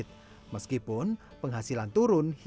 dan période saat yangencia yang tercapai